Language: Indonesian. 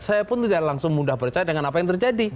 saya pun tidak langsung mudah percaya dengan apa yang terjadi